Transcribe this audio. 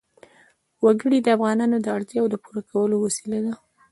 وګړي د افغانانو د اړتیاوو د پوره کولو وسیله ده.